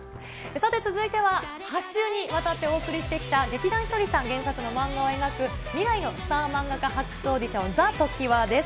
さて続いては、８週にわたってお送りしてきた劇団ひとりさん原作の漫画を描く、未来のスター漫画家発掘オーディション、ＴＨＥＴＯＫＩＷＡです。